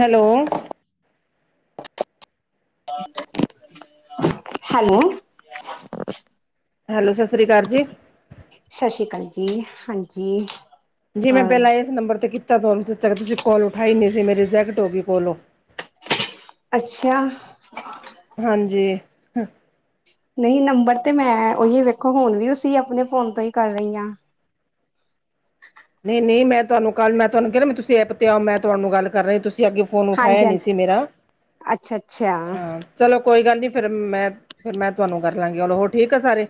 Hello. [inaudible] Hello. Hello, ਸਸਰੀ ਅਕਾਲ ਜੀ। ਸਸ਼ੀ ਅਕਾਲ ਜੀ, ਹਾਂਜੀ। ਜੀ, ਮੈਂ ਹੋਰ ਪਹਿਲਾਂ ਇਸ ਨੰਬਰ 'ਤੇ ਕੀਤਾ ਤੁਹਾਨੂੰ, ਤੁਸੀਂ ਚਕਦੇ, ਤੁਸੀਂ ਕੋਲ ਉਠਾਈ ਹੀ ਨਹੀਂ ਸੀ। ਮੇਰੀ ਰਿਜ਼ੈਕਟ ਹੋ ਗਈ ਕੋਲ ਓਹ। ਅੱਛਾ। [inaudible] ਹਾਂਜੀ ਹ ਨਹੀਂ, ਨੰਬਰ ਤੇ ਮੈਂ ਉਹੀ ਵੇਖੋ ਹੁਣ ਵੀ ਉਸੀਂ ਆਪਣੇ ਫੋਨ ਤੋਂ ਹੀ ਕਰ ਰਹੀ ਹਾਂ। ਨਹੀ-ਨਹੀ, ਮੈਂ ਤੁਹਾਨੂੰ ਕੱਲ੍ਹ ਮੈ ਤੁਹਾਨੂੰ ਕਿਹਾ ਨਾ, ਤੁਸੀ ਐਪ'ਤੇ ਆਓ, ਮੈ ਤੁਹਾਨੂੰ ਗਲ ਕਰ ਰਹੇ, ਤੁਸੀ ਅੱਗੇ ਫੋਨ ਉਠਾਇਆ ਹਾਂਜੀ ਨਹੀਂ ਹਾਂਜੀ ਸੀ ਮੇਰਾ, ਅੱਛਾ ਅੱਛਾ ਹਾਂ। ਚਲੋ ਕੋਈ ਗੱਲ ਨੀ, ਫਿਰ ਮੈਂ, ਫਿਰ ਮੈਂ ਤੁਹਾਨੂੰ ਕਰ ਲਾਂਗੀ, ਹੈਲੋ, ਹੋਰ ਠੀਕ ਆ ਸਾਰੇ।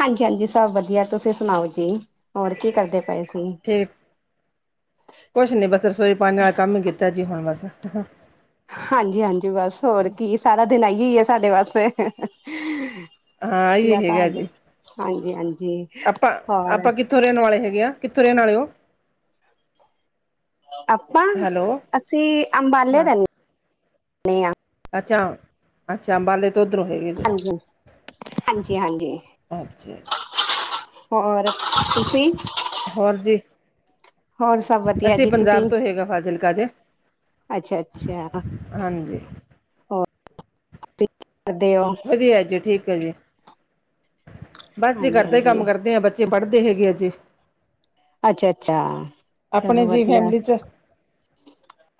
ਹਾਂਜੀ-ਹਾਂਜੀ, ਸਭ ਵਧੀਆ, ਤੁਸੀਂ ਸੁਣਾਓ ਜੀ, ਹੋਰ ਕੀ ਕਰਦੇ ਪਏ ਸੀ। ਠੀਕ, ਕੋਛ ਨਹੀਂ, ਬਸ ਰਸੋਈ ਪਾਣੀ ਵਾਲਾ ਕੰਮ ਹੀ ਕੀਤਾ ਜੀ ਹੁਣ, ਬਸ। ਹਾਂਜੀ-ਹਾਂਜੀ, ਬਸ ਹੋਰ ਕੀ, ਸਾਰਾ ਦਿਨ ਆਈ ਹੀ ਆ ਸਾਡੇ ਵਾਸਤੇ ਹਾਂ ਕਿਆ ਇਹ ਹੈਗਾ ਕਰਦੇ, ਜੀ ਹਾਂਜੀ-ਹਾਂਜੀ ਆਪਾਂ, ਆਪਾਂ ਕਿੱਥੋਂ ਰਹਿਣ ਵਾਲੇ ਹੈਗੇ ਹਾਂ, ਕਿੱਥੋਂ ਰਹਿਣ ਆਲੇ ਹੋ। ਆਪਾਂ, ਹੈਲੋ ਅਸੀਂ ਅੰਬਾਲੇ ਹਾਂ ਰਿਹਨੇ ਹਾਂ। ਅੱਛਾ, ਅੱਛਾ ਅੰਬਾਲੇ ਉਧਰੋਂ ਹੈਗੇ ਜੇ, ਹਾਂਜੀ ਹਾਂਜੀ ਹਾਂਜੀ ਅੱਛਾ। ਹੋਰ। ਤੁਸੀਂ ਹੋਰ ਜੀ। ਹੋਰ ਸਭ ਵਧੀਆ ਅਸੀਂ ਜੀ ਪੰਜਾਬ ਤੁਸੀਂ ਤੋਂ ਹੈਗੇ ਫਾਜ਼ਿਲਕਾ ਦੇ। ਅੱਛਾ ਅੱਛਾ ਹਾਂਜੀ। ਕਦੇਓ ਵਧੀਆ ਜੀ ਠੀਕ ਹੈ ਜੀ, ਬਸ ਜੀ, ਹਾਂਜੀ ਘਰ ਦੇ ਹੀ ਹਾਂਜੀ ਕੰਮ ਕਰਦੇ ਆ ਬੱਚ ਬੱਚੇ ਪੜ੍ਹਦੇ ਹੈਗੇ ਅਜੇ। ਅੱਛਾ-ਅੱਛਾ, ਆਪਣੇ ਚਲੋ ਜੀ ਵਧੀਆ। ਫੈਮਿਲੀ 'ਚ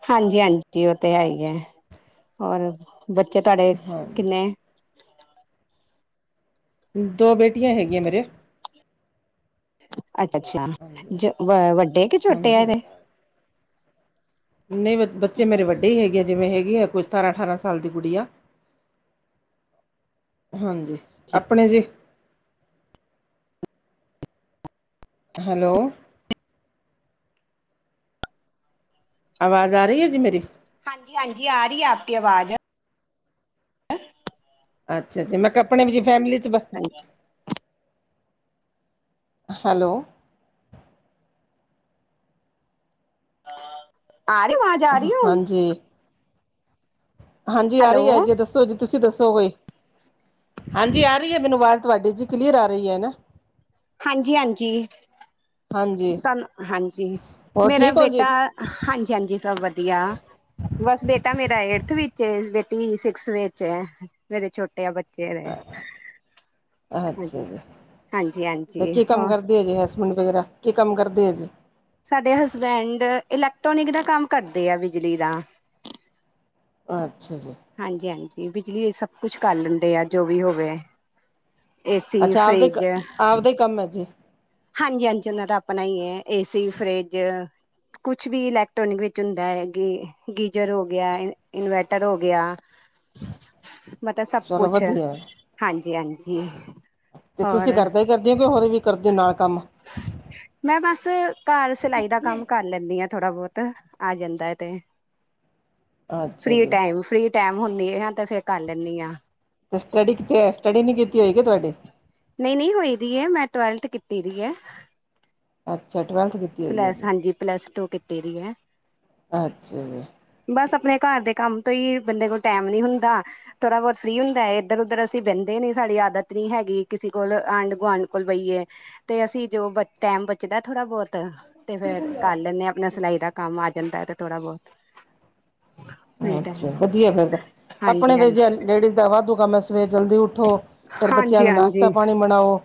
ਹਾਂਜੀ-ਹਾਂਜੀ ਓ ਤੇ ਹੈ ਈ ਐ ਅੋਰ ਬੱਚੇ ਤੁਆਡੇ ਹਾਂ ਕਿੰਨੇ ਦੋ ਬੇਟੀਆਂ ਹੈਗੀਆਂ ਮੇਰੇ ਅੱਛਾ-ਅੱਛਾ ਹਾਂਜੀ ਜ ਵੱਡੇ ਕਿ ਛੋਟੇ ਆ ਹਾਂਜੀ ਏਦੇ ਨਈ ਬ ਬੱਚੇ ਮੇਰੇ ਵੱਡੇ ਈ ਹੈਗੇ ਆ ਜਿਵੇਂ ਹੈਗੀ ਆ ਕੋਈ ਸਤਾਰਾਂ ਅਠਾਰਾਂ ਸਾਲ ਦੀ ਗੁੜੀਆ ਹਾਂਜੀ ਆਪਣੇ ਜੀ। ਹੈਲੋ ਆਵਾਜ਼ ਆ ਰਈ ਆ ਜੀ ਮੇਰੀ ਹਾਂਜੀ-ਹਾਂਜੀ ਆ ਰਈ ਆਪ ਕੀ ਆਵਾਜ਼ ਅੱਛਾ ਜੀ ਮੈਂ ਕ ਆਪਣੇ ਵੀ ਜੀ ਫੈਮਿਲੀ 'ਚ ਬ ਹਾਂਜੀ ਹੈਲੋ ਆ ਰਈ ਆਵਾਜ਼ ਆ ਰਈ ਹੁਣ ਹਾਂਜੀ ਹਾਂਜੀ ਆ ਰਈ ਐ ਹੈਲੋ ਜੀ ਦੱਸੋ ਜੀ ਤੁਸੀਂ ਦੱਸੋ ਕੋਈ ਹਾਂਜੀ ਆ ਰਈ ਐ ਮੈਨੂੰ ਆਵਾਜ਼ ਤੁਆਡੀ ਜੀ ਕਲੀਅਰ ਆ ਰਈ ਆ ਨਾ। ਹਾਂਜੀ-ਹਾਂਜੀ ਹਾਂਜੀ ਤਾਨੂੰ ਹਾਂਜੀ ਹੋਰ ਮੇਰਾ ਠੀਕ ਹੋ ਜੀ ਬੇਟਾ ਹਾਂਜੀ-ਹਾਂਜੀ ਸਭ ਵਧੀਆ ਬਸ ਬੇਟਾ ਮੇਰਾ ਏਠਥ ਵਿਚ ਏ ਬੇਟੀ ਸਿਕਸ ਵਿਚ ਐ ਮੇਰੇ ਛੋਟੇ ਆ ਬੱਚ ਅੱਛਾ ਜੀ ਹਾਂਜੀ-ਹਾਂਜੀ-ਹਾਂਜੀ ਹੋਰ ਹੁਣ ਫੇਰ ਕੀ ਕੰਮ ਕਰਦੇ ਏ ਜੀ। ਸਾਡੇ ਹਸਬੈਂਡ ਇਲੈਕਟ੍ਰੋਨਿਕ ਦਾ ਕੰਮ ਕਰਦੇ ਆ ਬਿਜਲੀ ਦਾ ਅੱਛਾ ਜੀ। ਹਾਂਜੀ-ਹਾਂਜੀ ਬਿਜਲੀ ਸਭ ਕੁਛ ਕਲ ਲੈਂਦੇ ਆ ਜੋ ਵੀ ਹੋਵੇ। ਏਸੀ, ਅੱਛਾ ਆਪਦੇ ਫਰਿਜ ਆਪਦਾ ਹੀ ਕੰਮ ਐ ਜੀ। ਹਾਂਜੀ-ਹਾਂਜੀ ਉਨਾਂ ਦਾ ਆਪਣਾ ਈ ਐ ਏਸੀ, ਫਰਿਜ ਕੁਛ ਵੀ ਇਲੈਕਟ੍ਰੋਨਿਕ ਵਿੱਚ ਹੁੰਦਾ ਹੈ ਗੇ ਗੀਜ਼ਰ ਹੋ ਗਿਆ ਇਨਵਰਟਰ ਹੋ ਗਿਆ। ਮਤਬ ਸਭ ਚਲੋ ਕੁਛ ਵਧੀਆ ਹਾਂਜੀ-ਹਾਂਜੀ। ਤੇ ਤੁਸੀ ਘਰ ਦਾ ਈ ਕਰਦੇ ਹੋ ਕਿ ਹੋਰ ਵੀ ਕਰਦੇ ਨਾਲ ਕੰਮ ਮੈਂ ਬਸ ਘਰ ਸਿਲਾਈ ਦਾ ਕੰਮ ਕਰ ਲੈਂਦੀ ਹਾਂ ਥੋੜਾ ਬੋਤ ਆ ਜਾਂਦਾ ਤੇ ਅੱਛਾ ਫਰੀ ਜੀ ਟੈਮ-ਫਰੀ ਟੈਮ ਹੁੰਨੀ ਆ ਤੇ ਫਿਰ ਕਲ ਲੈਂਨੀ ਆਂ। ਤੇ ਸਟੱਡੀ ਕਿਥੇ ਆ ਸਟੱਡੀ ਨਈ ਕੀਤੀ ਹੋਈ ਕਿ ਤੁਆਡੇ ਨਈ-ਨਈ ਹੋਈ ਦੀ ਏ ਮੈਂ ਟਵੈਲਥ ਕੀਤੀ ਦੀ ਏ। ਅੱਛਾ ਟਵੈਲਥ ਕੀ ਪਲੱਸ ਹਾਂਜੀ ਪਲੱਸ ਟੂ ਕੀਤੀ ਦੀ ਐ। ਅੱਛਾ ਜੀ। ਬਸ ਆਪਣੇ ਘਰ ਦੇ ਕੰਮ ਤੋਂ ਈ ਬੰਦੇ ਕੋਲ ਟੈਮ ਨੀ ਹੁੰਦਾ। ਥੋੜਾ ਬੋਤ ਫਰੀ ਹੁੰਦਾ ਐ ਇੱਧਰ ਉੱਧਰ ਅਸੀਂ ਬੈਂਦੇ ਨੀ ਸਾਡੀ ਆਦਤ ਨੀ ਹੈਗੀ ਕਿਸੇ ਕੋਲ ਆਂਢ ਗੁਆਂਢ ਕੋਲ ਬਈਏ। ਤੇ ਅਸੀਂ ਜੋ ਬ ਟੈਮ ਬਚਦਾ ਥੋੜਾ ਬੋਤ ਤੇ ਫੇਰ ਕਲ ਲੈਂਨੇ ਆ ਆਪਣਾ ਸਿਲਾਈ ਦਾ ਕੰਮ ਆ ਜਾਂਦਾ ਏ ਤੇ ਥੋੜ੍ਹਾ ਬੋਤ ਅੱਛਾ ਵਧੀਆ ਫਿਰ ਆਪਣੇ ਹਾਂਜੀ ਤੇ ਹਾਂਜੀ ਜੇ ਲੇਡੀਜ਼ ਦਾ ਵਾਧੂ ਕੰਮ ਏ ਸਵੇਰ ਜਲਦੀ ਉੱਠ ਉੱਠੋ ਫਿਰ ਬੱਚਿਆਂ ਹਾਂਜੀ ਦਾ ਨਾਸ਼ਤਾ ਹਾਂਜੀ ਪਾਨੀ ਬਣਾਓ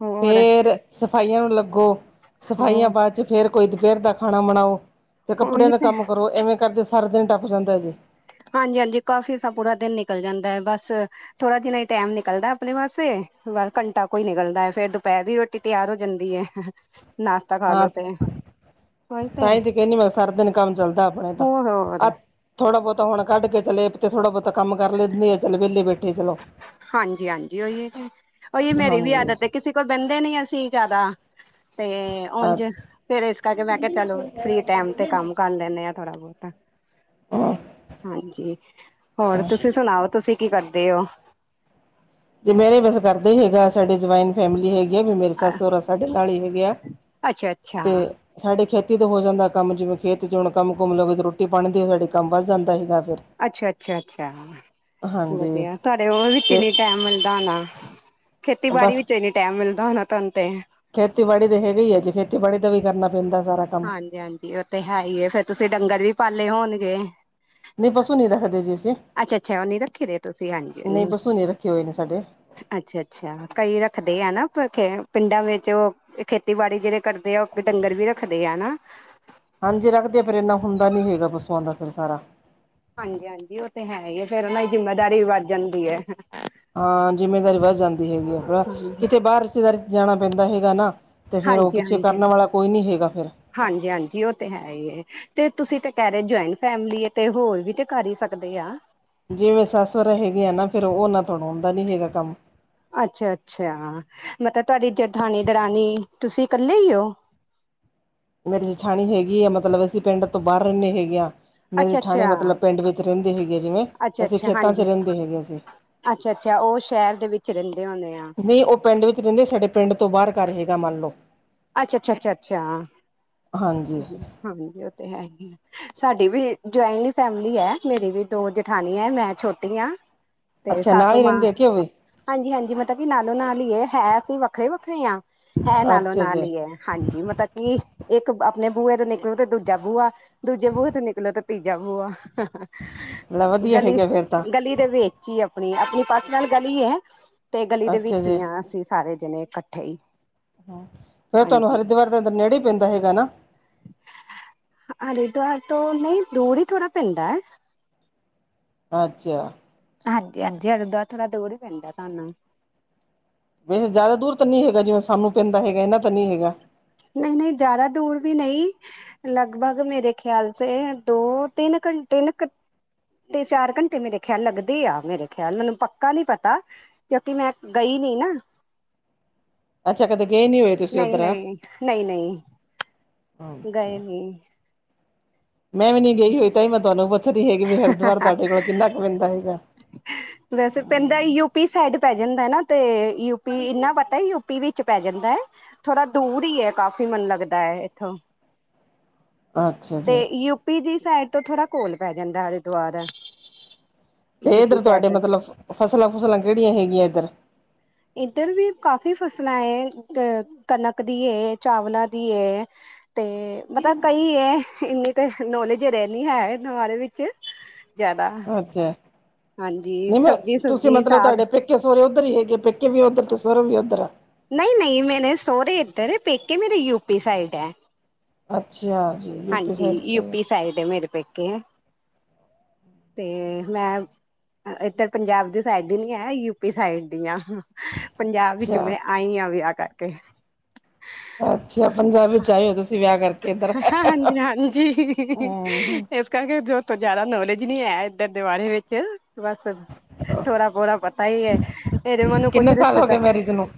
ਹੋਰ ਫੇਰ ਸਫਾਈਆਂ ਨੂੰ ਲੱਗੋ ਸਫਾਈਆਂ ਹੋਰ ਬਾਦ 'ਚ ਫਿਰ ਕੋਈ ਦੁਪੈਰ ਦਾ ਖਾਣਾ ਬਨਾਓ। ਤੇ ਕੱਪੜਿਆਂ ਉਹੀ ਦਾ ਤੇ ਕੰਮ ਕਰੋ ਇਵੇਂ ਕਰਦੇ ਸਾਰਾ ਦਿਨ ਟੱਪ ਜਾਂਦਾ ਜੀ। ਹਾਂਜੀ-ਹਾਂਜੀ ਕਾਫੀ ਦਾ ਪੂਰਾ ਦਿਨ ਨਿਕਲ ਜਾਂਦਾ ਏ ਬਸ ਥੋੜਾ ਜਿੰਨਾ ਈ ਟੈਮ ਨਿਕਲਦਾ ਆਪਣੇ ਵਾਸੇ ਬਸ ਘੰਟਾ ਕੋਈ ਕੁ ਨਿਕਲਦਾ ਫਿਰ ਦੁਪੈਰ ਦੀ ਰੋਟੀ ਰਟੀ ਤਿਆਰ ਹੋ ਜਾਂਦੀ ਐ, ਨਾਸ਼ਤਾ ਖਾਲੋ ਤੇ। ਤਾਂਹੀ ਤੇ ਕਹਿੰਦੀ ਮੈਂ ਸਾਰਾ ਦਿਨ ਕੰਮ ਚੱਲਦਾ ਆਪਣੇ ਤਾਂ ਹੋਰ-ਹੋਰ ਥੋੜਾ ਬਹੁਤਾ ਹੁਣ ਕੱਢ ਕੇ ਚਲੇਏ ਤੇ ਥੋੜਾ ਬਹੁਤਾ ਕੰ ਕਰ ਲੈਂਨੀ ਆ ਚਲ ਵਿਹਲੀ ਬੈਠੀ ਚਲੋ। ਹਾਂਜੀ ਹਾਂਜੀ ਉਹੀਏ, ਉਹੀ ਮੇਰੀ ਵੀ ਹਾਂਜੀ ਆਦਤ ਐ। ਕਿਸੇ ਕੋਲ ਬਹਿੰਦੇ ਨੀ ਅਸੀਂ ਜਿਆਦਾ ਤੇ ੳਉਂਝ ਫਿਰ ਇਸ ਕਰਕੇ ਮੈਂ ਕਿਹਾ ਚਲੋ ਫਰੀ ਟੈਮ ਤੇ ਕੰਮ ਕਰ ਲੈਂਨੇ ਆ ਥੋੜਾ ਬਹੁਤਾ। ਹਾਂਜੀ ਹੋਰ ਤੁਸੀਂ ਅੱਛਾ ਸੁਣਾਓ ਤੁਸੀਂ ਕੀ ਕਰਦੇ ਔ? ਜੇ ਮੇਰੇ ਬਸ ਘਰਦੇ ਈ ਹੈਗਾ, ਸਾਡੇ ਜੁਆਇੰਨ ਫੈਮਿਲੀ ਹੈਗੀ। ਵੀ ਮੇਰੇ ਸੱਸ- ਸੋਹਰਾ ਸਾਡੇ ਨਾਲ ਈ ਹੈਗੇ ਆ ਅੱਛਾ-ਅੱਛਾ, ਤੇ ਸਾਡੇ ਖੇਤੀ ਤੋਂ ਹੋ ਜਾਂਦਾ ਕੰਮ, ਜਿਵੇਂ ਖੇਤ 'ਚ ਹੁਣ ਕੰਮ ਕੁੰਮ ਲਓਗੇ ਤਾਂ ਰੋਟੀ ਬਣਦੀਆ ਸਾਡੇ ਕੰਮ ਵੱਧ ਜਾਂਦਾ ਹੈਗਾ ਫਿਰ ਅੱਛਾ, ਅੱਛਾ, ਅੱਛਾ ਹਾਂਜੀ ਵਧੀਆ। ਤੁਹਾਡੇ ਉਹ ਵਿੱਚ ਈ ਤੇ ਨੀ ਟੈਮ ਮਿਲਦਾ ਹੋਣਾ। ਖੇਤੀਬਾੜੀ ਬਸ ਵਿੱਚ ਈਨੇ ਟੈਮ ਮਿਲਦਾ ਹੋਣਾ ਤੁਹਾਨੂੰ ਤੇ ਖੇਤੀਬਾੜੀ ਤੇ ਹੈਗੇ ਈ ਏ ਜੇ ਖੇਤੀਬਾੜੀ ਦਾ ਵੀ ਕਰਨਾ ਪੈਂਦਾ ਸਾਰਾ ਕੰਮ ਹਾਂਜੀ, ਹਾਂਜੀ ਉਹ ਤੇ ਹੈ ਈ ਏ ਫੇਰ ਤੁਸੀਂ ਡੰਗਰ ਵੀ ਪਾਲੇ ਹੋਣਗੇ। ਨਹੀਂ ਪਸ਼ੂ ਨੀ ਰੱਖਦੇ ਜੀ ਅਸੀਂ। ਅੱਛਾ, ਅੱਛਾ ਉਹ ਨੀ ਰੱਖੇ ਰੇ ਤੁਸੀਂ ਹਾਂਜੀ ਨਹੀਂ ਨ ਪਸੂ ਨਹੀਂ ਰੱਖੇ ਹੋਏ ਨੇ ਸਾਡੇ ਅੱਛਾ, ਅੱਛਾ ਕਈ ਰੱਖਦੇ ਆ ਨਾ ਪਖੇ ਪਿੰਡਾ ਵਿੱਚ ਉਹ ਇਹ ਖੇਤੀਬਾੜੀ ਜਿਹੜੇ ਕਰਦੇ ਆ ਉਹ ਡੰਗਰ ਵੀ ਰੱਖਦੇ ਆ ਨਾ ਹਾਂਜੀ ਰੱਖਦੇ ਆ, ਪਰ ਇੰਨਾ ਹੁੰਦਾ ਨੀ ਹੈਗਾ ਪਸੂਆਂ ਦਾ ਫਿਰ ਸਾਰਾ ਹਾਂਜੀ, ਹਾਂਜੀ ਉਹ ਤੇ ਹੈ ਈ ਏ, ਫੇਰ ਉਹਨਾ ਦੀ ਜਿੰਮੇਦਾਰੀ ਵੀ ਵੱਧ ਜਾਂਦੀ ਏ। ਹਾਂ ਜਿੰਮੇਦਾਰੀ ਵੱਧ ਜਾਂਦੀ ਹੈਗੀ ਆ ਥੋਰਾ, ਕਿਤੇ ਬਾਹਰ ਰਿਸ਼ਤੇਦਾਰੀ ਜਾਣਾ ਪੈਂਦਾ ਹੈਗਾ ਨਾ। ਤੇ ਫਿਰ ਉਹ ਪਿੱਛੇ ਕਰਨ ਵਾਲਾ ਕੋਈ ਨੀ ਹੈਗਾ ਫਿਰ। ਹਾਂਜੀ, ਹਾਂਜੀ ਉਹ ਤੇ ਹੈਈਏ। ਤੇ ਤੁਸੀਂ ਤੇ ਕਹਿ ਰਹੇ ਜੁਆਇੰਨ ਫੈਮਿਲੀ ਏ ਤੇ ਹੋਰ ਵੀ ਤੇ ਕਰ ਈ ਸਕਦੇ ਆ। ਜਿਵੇ ਸੱਸ- ਸੋਰਾ ਹੈਗੇ ਆ ਨਾ ਫਿਰ ਉਨਾ ਥੋੜੋਂ ਹੁੰਦਾ ਨੀ ਹੈਗਾ ਕੰਮ। ਅੱਛਾ, ਅੱਛਾ ਮਤਲਬ ਤੁਹਾਡੀ ਜੇਠਾਣੀ- ਦਰਾਣੀ ਤੁਸੀਂ ਕੱਲੇ ਈ ਓ? ਮੇਰੀ ਜੇਠਾਣੀ ਹੈਗੀ ਏ ਮਤਲਬ ਅਸੀਂ ਪਿੰਡ ਤੋਂ ਬਾਰ ਰੇਨੈ ਹੈਗੇ ਆ। ਮੇਰੀ ਜਠਾਣੀ ਅੱਛਾ-ਅੱਛਾ, ਮਤਲਬ ਪਿੰਡ ਵਿੱਚ ਰਹਿੰਦੇ ਹੈਗੇ ਆਂ ਜਿਵੇਂ, ਅਸੀਂ ਖੇਤਾਂ 'ਚ ਰਹਿੰਦੇ ਹੈਗੇ ਆਂ ਅਸੀਂ ਅੱਛਾ, ਅੱਛਾ ਉਹ ਸ਼ਹਿਰ ਦੇ ਵਿੱਚ ਰੈਂਦੇ ਹੋਣੇ ਆ। ਨਹੀਂ ਉਹ ਪਿੰਡ ਵਿੱਚ ਰੈਂਦੇ, ਸਾਡੇ ਪਿੰਡ ਤੋਂ ਬਾਰ ਘਰ ਹੈਗਾ ਮੰਨ ਲਓ। ਅੱਛਾਛਛਛਛਛਆਂ ਹਾਂਜੀ। ਹਾਂਜੀ ਓ ਤੇ ਹੈ ਹੀ। ਸਾਡੀ ਵੀ ਜੁਆਇਨ ਫੈਮਿਲੀ ਏ, ਮੇਰੀ ਵੀ ਦੋ ਜਠਾਨੀ ਏ ਮੈ ਛੋਟੀ ਆਂ। ਤੇ ਅੱਛਾ ਨਾਲ ਸਾਸੂ ਹੀ ਮਾਂ ਰਹਿੰਦੇ ਆ ਕਿ ਉਹ ਵੀ ਹਾਂਜੀ, ਹਾਂਜੀ ਮਤਲਬ ਕੀ ਨਾਲੋਂ- ਨਾਲ ਈ ਏ ਹੈ ਅਸੀਂ ਵੱਖਰੇ- ਵੱਖਰੇ ਆਂ। ਹੈ ਨਾਲੋਂ- ਅੱਛਾ ਨਾਲ ਜੀ ਈ ਏ ਹਾਂਜੀ ਮੱਤਕੀ ਆਪਣੇ ਬੂਹੇ ਤੇ ਨਿਕਲੋ ਤੇ ਦੂਜਾ ਬੂਆ, ਦੂਜੇ ਬੂਹੇ ਤੇ ਨਿਕਲੋ ਤੇ ਤੀਜਾ ਬੂਆ। ਲੈ ਵਧੀਆ ਗਲੀ, ਹੈਗਾ ਫੇਰ ਤਾਂ ਗਲੀ ਦੇ ਵੇ ਜੀ ਆਪਣੀ, ਆਪਣੀ ਪਰਸਨਲ ਗਲੀ ਏ ਤੇ ਗਲੀ ਦੇ ਅੱਛਾ ਵਿੱਚ ਜੀ ਹੀ ਆ ਅਸੀਂ ਸਾਰੇ ਜਣੇ ਇਕੱਠੇ ਈ ਹਮ, ਫੇਰ ਤੁਹਾਨੂੰ ਹਰਿਦਵਾਰ ਦੇ ਅੰਦਰ ਨੇੜੇ ਹੀ ਪੈਂਦਾ ਹੈਗਾ ਨਾ ਹਰਿਦਵਾਰ ਤੋਂ ਨਈ ਦੂਰ ਈ ਥੋੜ੍ਹਾ ਪੈਂਦਾ ਏ। ਅੱਛਿਆ ਹਾਂਜੀ ਹਾਂਜੀ ਹਰਿਦੁਆਰ ਥੋੜਾ ਦੂਰ ਈ ਪੈਂਦਾ ਤੁਹਾਨੂੰ ਵੈਸੇ ਜ਼ਿਆਦਾ ਦੂਰ ਤਾਂ ਨੀ ਹੈਗਾ, ਜਿਵੇਂ ਸਾਨੂੰ ਪੈਂਦਾ ਹੈਗਾ ਇਨਾ ਤਾਂ ਨੀ ਹੈਗਾ। ਨਹੀਂ, ਨਹੀਂ ਜ਼ਿਆਦਾ ਦੂੜ ਵੀ ਨਹੀਂ ਲਗਬਗ ਮੇਰੇ ਖਿਆਲ ਸੇ ਦੋ ਤਿੰਨ ਘੰਟੇ ਨ ਕ ਤੇ ਚਾਰ ਘੰਟੇ ਮੇਰੇ ਖਿਆਲ ਲੱਗਦੇ ਆ ਮੇਰੇ ਖਿਆਲ ਮੈਨੂੰ ਪੱਕਾ ਨੀ ਪਤਾ। ਕਿਉਂਕਿ ਮੈਂ ਗਈ ਨੀ ਨਾ। ਅੱਛਾ ਕਦੇ ਗਏ ਨੀ ਹੋਏ। ਤੁਸੀਂ ਉੱਧਰ ਨਈ-ਨਈ, ਨਈ-ਨਈ। ਗਏ ਅੱਛਾ ਨੀ। ਮੈਂ ਵੀ ਨੀ ਗਈ ਹੋਈ ਤਾਂਈ ਮੈਂ ਤੁਹਾਨੂੰ ਪੁੱਛ ਦੀ ਹੈਗੀ ਵੀ ਹਰਿਦੁਵਾਰ ਤੁਹਾਡੇ ਕੋਲ ਕਿੰਨਾ ਕੁ ਪੈਂਦਾ ਹੈਗਾ। ਵੈਸੇ ਪੈਂਦਾ ਯੂਪੀ ਸਾਈਡ ਪੈ ਜਾਂਦਾ ਏ ਨਾ ਤੇ ਯੂਪੀ ਇੰਨਾ ਵਟ ਏ ਯੂਪੀ ਵਿੱਚ ਪੈ ਜਾਂਦਾ ਏ ਥੋੜਾ ਦੂਰ ਈ ਏ ਕਾਫ਼ੀ ਮੈਨੂੰ ਲੱਗਦਾ ਏ ਇੱਥੋਂ। ਅੱਛਾ ਤੇ ਜੀ ਯੂਪੀ ਦੀ ਸਾਈਡ ਤੋਂ ਥੋੜਾ ਕੋਲ ਪੈ ਜਾਂਦਾ ਹਰਿਦੁਆਰ। ਤੇ ਇੱਧਰ ਯੂਪੀ ਤੁਹਾਡੇ ਸਾਈਡ ਮਤਲਬ ਫਸਲਾਂਫੁਸਲਾਂ ਕਿਹੜੀਆਂ ਹੈਗੀਆ ਇੱਧਰ। ਇੱਧਰ ਵੀ ਕਾਫ਼ੀ ਫਸਲਾਂ ਏ। ਤੇ ਕਣਕ ਦੀ ਏ ਚਾਵਲਾਂ ਦੀ ਏ। ਤੇ ਮਤਲਬ ਕਈ ਏ ਇੰਨੀ ਕੁ ਨੌਲੇਜ ਰਹਿਣੀ ਹੈ ਇਹਨਾਂ ਬਾਰੇ ਵਿੱਚ। ਜ਼ਿਆਦਾ, ਅੱਛਾ ਹਾਂਜੀ ਸਬਜ਼ੀ ਸੁਬਜੀ ਸਾਗ, ਕੇ ਸ਼ਹੁਰੇ ਉਧਰ ਈ ਹੈਗੇ ਪੇਕੇ ਵੀ ਉਧਰ ਤੇ ਸਹੁਰੇ ਵੀ ਉਧਰ ਆ। ਨਹੀ-ਨਹੀ ਮੇਰੇ ਸੋਹਰੇ ਇੱਧਰ ਪੇਕੇ ਮੇਰੇ ਯੂਪੀ ਸਾਈਡ ਆ। ਅੱਛਿਆ ਜੀ। ਯੂਪੀ ਹਾਂਜੀ ਸਾਈਡ ਚ ਹੈਗਾ ਯੂਪੀ ਸਾਈਡ ਏ ਮੇਰੇ ਪੇਕੇ, ਤੇ ਮੈ ਅ ਇਧਰ ਪੰਜਾਬ ਦੀ ਸਾਈਡ ਦੀ ਨੀਆ ਯੂਪੀ ਸਾਈਡ ਦੀ ਆ। ਹ ਪੰਜਾਬ ਵਿੱਚ ਅੱਛਾ। ਮੈਂ ਆਈ ਆ ਵਿਆਹ ਕਰਕੇ। ਅੱਛਾ, ਪੰਜਾਬ ਵਿੱਚ ਆਏ ਓ ਤੁਸੀਂ ਵਿਆਹ ਕਰਕੇ ਇੱਧਰ ਹ-ਹ-ਹ, ਹਾਂਜੀ-ਹਾਂਜੀ। [unintelligible] ਹੂੰ ਇਸ ਕਰਕੇ ਜੋਤ ਤੋਂ ਜ਼ਿਆਦਾ ਨੌਲੇਜ ਨੀ ਹੈ ਏਧਰ ਦੇ ਬਾਰੇ ਵਿੱਚ, ਬਸ। ਥੋੜਾ ਬੋਰਾ ਪਤਾ ਈ ਏ ਇਹਰੇ ਮਨ ਨੂੰ ਕੁਛ ਕਿੰਨੇ [unintelligible] ਸਾਲ ਤੇ ਹੋ ਦਾ। ਗਏ ਮੈਰਿਜ ਨੂੰ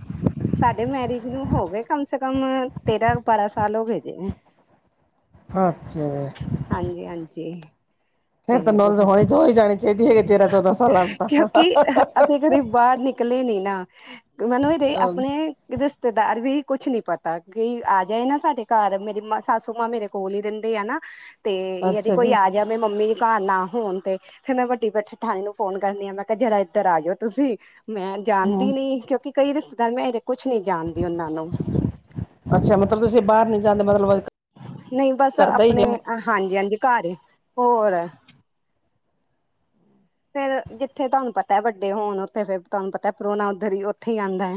ਸਾਡੇ ਮੈਰਿਜ ਨੂੰ ਹੋ ਗਏ ਕਮ ਸੇ ਕਮ ਤੇਰਾਂ-ਬਾਰਾਂ ਸਾਲ ਹੋ ਗਏ ਦੇ ਨੇ। ਹਾਂ ਅੱਛਿਆ। ਹਾਂਜੀ-ਹਾਂਜੀ। ਫੇਰ ਤਾਂ ਨੌਲਜ ਹੋਣੀ [unintelligible] ਚਾਹੀਦੀ ਹੈਗੀ। ਤੇਰਾਂ ਚੌਦਾਂ ਸਾਲਾਂ ਚ ਕਿਉਂਕਿ ਤਾਂ ਅ ਅਸੀਂ ਕਦੀ ਬਾਹਰ ਨੀ ਨਿਕਲੇ ਨੀ ਨਾ, ਮੈਨੂੰ ਵੀ ਦੇ ਆਪਣੇ ਰਿਸ਼ਤੇਦਾਰ ਵੀ ਕੁਛ ਨੀ ਪਤਾ ਕਿ ਆ ਜਾਏ ਨਾ ਸਾਡੇ ਘਰ ਮੇਰੀ ਸਸੂ ਮਾਂ ਮੇਰੇ, ਕੋਲ ਹੀ ਰਹਿੰਦੀ ਆ ਨਾ ਤੇ ਜਦੀ ਅੱਛਾ ਕੋਈ ਜੀ। ਆ ਜਾਵੇ ਮੰਮੀ ਘਰ ਨਾ ਹੋਣ ਤੇ ਫੇਰ ਮੈਂ ਵੱ ਡੀ ਬ ਜਠਾਣੀ ਨੂੰ ਫੋਨ ਕਰਨੀ ਆ ਮੈਂ ਕਿਹਾ ਜਰਾ ਇੱਧਰ ਆ ਜੋ ਤੁਸੀਂ ਮੈਂ ਜਾਣਦੀ ਹੂੰ, ਨੀ ਕਿਉਂਕਿ ਕਈ ਰਿਸ਼ਤੇਦਾਰ ਮੇਰੇ ਕੁਛ ਨੀ ਜਾਣਦੀ ਉਹਨਾਂ ਨੂੰ। ਅੱਛਾ, ਮਤਲਬ ਤੁਸੀਂ ਬਾਹਰ ਨੀ ਜਾਂਦੇ ਮਤਲਬ ਵਰਕ ਨਹੀਂ ਬਸ ਆਪਣੇ ਹਾਂਜੀ-ਹਾਂਜੀ ਘਰ ਈ ਹੋਰ ਫੇਰ ਜਿੱਥੇ ਤੁਹਾਨੂੰ ਪਤਾ ਵੱਡੇ ਹੋਣ ਉੱਥੇ ਫੇਰ ਤੁਹਾਨੂੰ ਪਤਾ ਪਰੋਣਾ ਉੱਧਰ ਹੀ ਉੱਥੇ ਹੀ ਆਂਦਾ।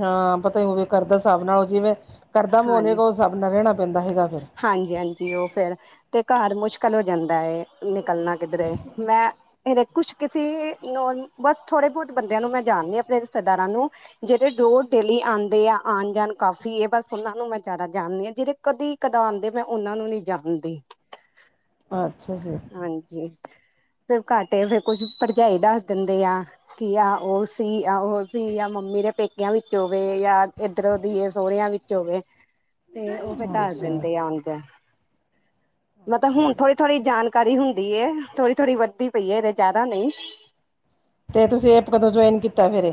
ਹਾਂ ਪਤਾ ਈ ਉਮੇ ਕਰਦਾ ਸਾਭ ਨਾਲ ਉਹ ਜਿਵੇਂ ਕਰਦਾ ਮੋਹੇਗਾ ਉਹ ਸਾਬ ਨਾਲ ਰਹਿਣਾ ਪੈਂਦਾ ਹੈਗਾ ਫੇਰ। ਹਾਂਜੀ-ਹਾਂਜੀ, ਉਹ ਫਿਰ ਤੇ ਘਰ ਮੁਸ਼ਕਿਲ ਹੋ ਜਾਂਦਾ ਏ। ਨਿਕਲਣਾ ਕਿੱਧਰੇ ਮੈਂ ਇਹਦੇ ਕੁਛ ਕਿਸੀ ਨੋਨ ਬਸ ਥੋੜੇ ਬਹੁਤ ਬੰਦਿਆਂ ਨੂੰ ਮੈਂ ਜਾਣਦੀ ਆ ਅਪਣੇ ਸਰਦਾਰਾ ਨੂੰ। ਜਿਹੜੇ ਡੋਰ ਡੇਲੀ ਆਂਦੇ ਆ ਆਣ ਜਾਣ ਕਾਫੀ ਆ ਬਸ ਉਹਨਾਂ ਨੂੰ ਮੈਂ ਜਿਆਦਾ ਜਾਣਦੀ ਆ ਜਿਹੜੇ ਕਦੇ ਕਦਾ ਆਂਦੇ ਪਿਆ ਉਹਨਾਂ ਨੂੰ ਨੀ ਜਾਣਦੀ। ਅੱਛਾ ਜੀ। ਹਾਂਜੀ ਫਿਰ ਘਾਟੇ ਫਿਰ ਕੁਛ ਭਰਜਾਈ ਦੱਸ ਦਿੰਦੇ ਆ। ਕੀ ਆ ਓ ਸੀ ਆ ਓ ਸੀ ਆ ਮੰਮੀ ਦੇ ਪੇਕ ਪੇਕੇਆ ਵਿਚੋ ਵੈ ਯਾ ਇਧਰੋ ਦੀ ਸੋਹੁਰਆਂ ਵਿੱਚੋ ਵੇ। [inaudible] ਦਿੰਦੇ ਆ ਉਂਜ ਮੈਂਤਾ ਅੱਛਾ ਹੁਨ ਜੀ ਥੋੜੀ ਥੋੜੀ ਜਾਨਕਾਰੀ ਹੁੰਦੀ ਏ ਥੋੜੀ ਥੋੜੀ ਵੱਧਦੀ ਪਈ ਏ ਹਜੇ ਜਾਦਾ ਨਈ। ਤੇ ਤੁਸੀ ਐਪ ਕਦੋ ਜੁਆਇਨ ਕੀਤਾ ਫੇਰ?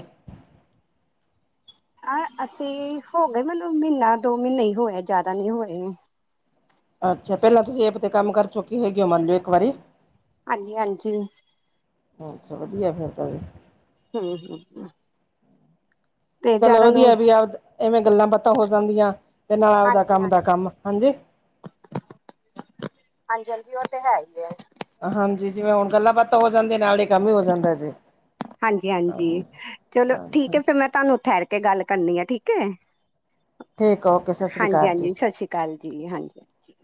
ਆ ਅਸੀ ਹੋ ਗਏ ਮੈਨੂੰ ਮੀਨਾ ਦੋ ਮੀਨੇ ਹੀ ਹੋਯੇ ਜਾਦਾ ਨੀ ਹੋਏ। ਅੱਛਾ ਪੇਲਾ ਤੁਸੀ ਐਪ ਤੇ ਕੰਮ ਕਰ ਚੁਕੇ ਹੈਗੇ ਓ ਮੰਨ ਲਓ ਇੱਕ ਵਾਰੀ। ਆਂਜੀ ਹਾਂਜੀ। ਅੱਛਾ ਵਧੀਆ ਫਿਰ ਤਾ ਐ। ਹੂੰ ਹੂੰ ਹੂੰ। ਚਲੋ ਨੂੰ ਵਧੀਆ ਵੀ ਆਵਦ ਐਵੇ ਗੱਲਾਂ ਬਾਤਾ ਹੋ ਜਾਂਦੀਆ ਤੇ ਨਾਲ ਆਵਦਾ ਕੰਮ ਦਾ ਕੰਮ। ਹਾਂਜੀ ਹਾਂਜੀ ਓ ਤੇ ਹੈ ਈ ਐ। ਹਾਂਜੀ ਜਿਵੇ ਹੁਨ ਗੱਲਾ ਬਾਤਾ ਹੋ ਜਾਂਦੀਆ ਨਾਲੇ ਕੰਮ ਹੀ ਹੋ ਜਾਂਦਾ ਜੀ ਹਾਂਜੀ ਹਾਂਜੀ ਚਲੋ ਅੱਛਾ ਠੀਕ ਐ ਫੀਰ ਮੈਂ ਤਾਨੂੰ ਠੇਰ ਕੇ ਕੇ ਗੱਲ ਕਰਨੀ ਆ ਠੀਕ ਏ ਠੀਕ ਆ ਓਕੇ ਸਤਿ ਸ਼੍ਰੀ ਹਾਂਜੀ ਅਕਾਲ ਜੀ ਹਾਂਜੀ ਸਤ ਸ੍ਰੀ ਗੱਲ ਜੀ ਹਾਂਜੀ ਹਾਂਜੀ।